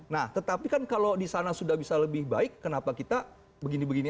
nah tetapi kan kalau di sana sudah bisa lebih baik kenapa kita begini begini